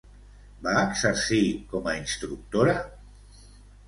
Va exercir com a instructora?